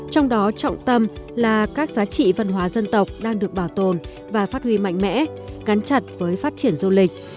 trong đó trọng tâm là các giá trị văn hóa dân tộc đang được bảo tồn và phát huy mạnh mẽ gắn chặt với phát triển du lịch